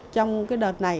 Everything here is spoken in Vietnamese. trong cái đợt này